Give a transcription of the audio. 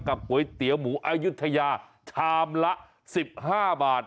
ก๋วยเตี๋ยวหมูอายุทยาชามละ๑๕บาท